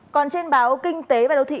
còn trên báo kinh tế và đô thị